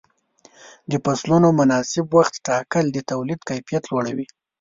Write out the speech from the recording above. د فصلونو مناسب وخت ټاکل د تولید کیفیت لوړوي.